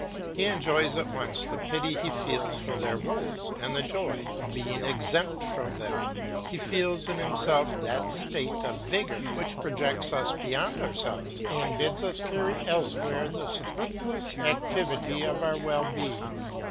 He enjoys at once the pity he feels for their woes and the joy of being exempt from them; he feels in himself that state of vigour which projects us beyond ourselves, and bids us carry elsewhere the superfluous activity of our well being.